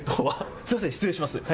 すみません、失礼します。